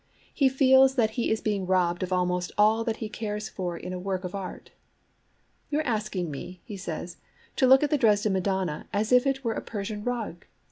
He feels that he is being robbed of almost all that he cares for in a work of art. 'You are asking me,' he says, 'to look at the Dresden Madonna as if it were a Persian rug.